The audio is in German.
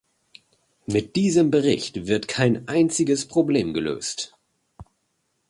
Mit diesem Bericht wird kein einziges Problem gelöst.